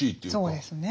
そうですね。